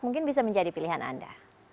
mungkin bisa menjadi pilihan anda